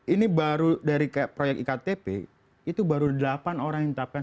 ini baru dari proyek iktp itu baru delapan orang yang ditetapkan